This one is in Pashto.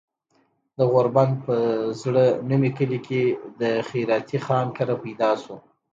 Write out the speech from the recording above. د غوربند پۀ زړه نومي کلي د خېراتي خان کره پيدا شو